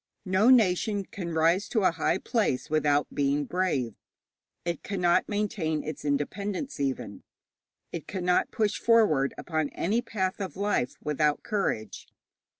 No nation can rise to a high place without being brave; it cannot maintain its independence even; it cannot push forward upon any path of life without courage.